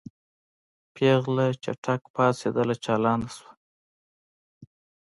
پېغله چټک پاڅېدله چالانه شوه.